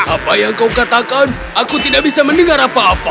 apa yang kau katakan aku tidak bisa mendengar apa apa